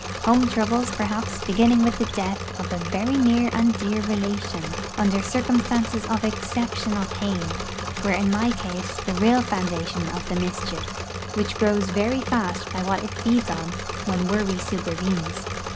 Home troubles, perhaps, beginning with the death of a very near and dear relation under circumstances of exceptional pain, were in my case the real foundation of the mischief, which grows very fast by what it feeds on when worry supervenes.